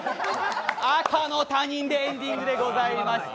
赤の他人でエンディングでございました。